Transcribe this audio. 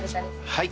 はい。